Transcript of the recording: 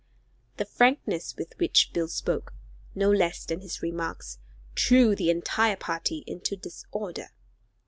The frankness with which Bill spoke, no less than his remarks, threw the entire party into disorder.